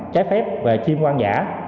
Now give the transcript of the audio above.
trái phép về chim quan giả